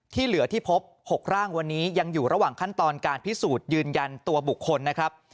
ที่เหลือที่พบ๖ร่างวันนี้ยังอยู่ระหว่างขั้นตอนการพิสูจน์ยืนยันตัวบุคคลนะครับ